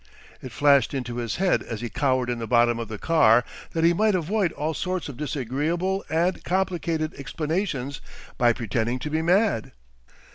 It flashed into his head, as he cowered in the bottom of the car, that he might avoid all sorts of disagreeable and complicated explanations by pretending to be mad.